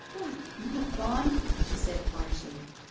"What ! Not gone?" she said harshly.